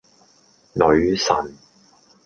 女神